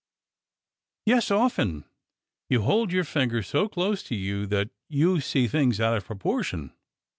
" Yes, often. You hold your finger so close to you that 3^ou see things out of proportion."